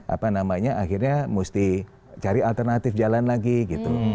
apa namanya akhirnya mesti cari alternatif jalan lagi gitu